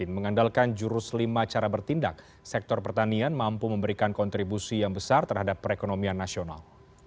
mengandalkan jurus lima cara bertindak sektor pertanian mampu memberikan kontribusi yang besar terhadap perekonomian nasional